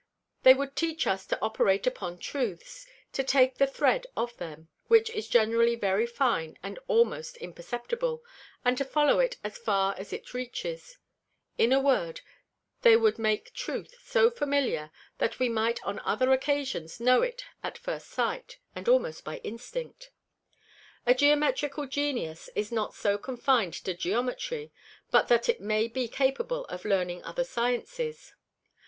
They wou'd teach us to operate upon Truths; to take the Thread of them, which is generally very fine and almost imperceptible; and to follow it as far as it reaches: In a word, they wou'd make Truth so familiar, that we might on other Occasions know it at first sight, and almost by Instinct. A Geometrical Genius is not so confin'd to Geometry, but that it may be capable of learning other Sciences.